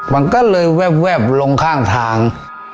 มันก็เลยแวบลงข้างทาง